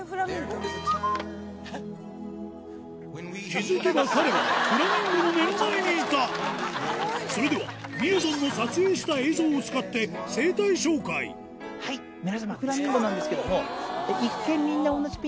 気付けば彼はフラミンゴの目の前にいたそれではみやぞんの撮影した映像を使ってはい皆様フラミンゴなんですけども。